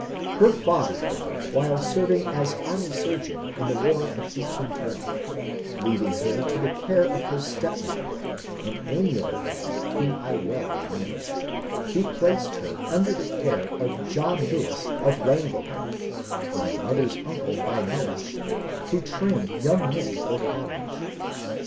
Her father died while serving as army surgeon in the War of 1812, leaving her to the care of her stepmother, — an amiable lady whom I well remember, — who placed her under the care of John Lewis of Llan gollen, my mother's uncle by marriage, who trained young METHODIST INFLUENCE 17 men for college.